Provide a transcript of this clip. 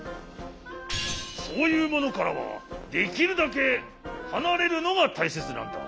そういうものからはできるだけはなれるのがたいせつなんだ。